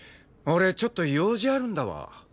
俺ちょっと用事あるんだわ。